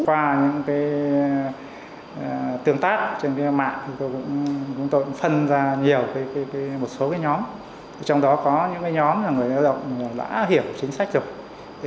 qua những tương tác trên mạng tôi cũng phân ra nhiều một số nhóm trong đó có những nhóm người lao động đã hiểu chính sách rồi